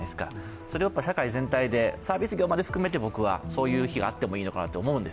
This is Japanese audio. それを社会全体でサービス業まで含めてそういう日があってもいいと思います。